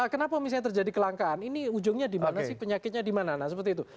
kenapa misalnya terjadi kelangkaan ini ujungnya dimana sih penyakitnya dimana nah seperti itu